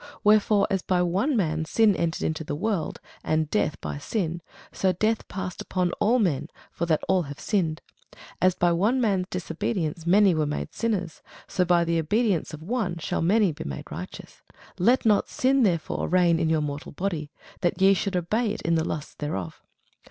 Wherefore, as by one man sin entered into the world, and death by sin; so death passed upon all men, for that all have sinned. As by one man's disobedience many were made sinners, so by the obedience of one shall many be made righteous. Let not sin therefore reign in your mortal body, that ye should obey it in the lusts thereof.